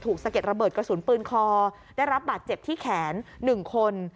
สะเด็ดระเบิดกระสุนปืนคอได้รับบาดเจ็บที่แขน๑คน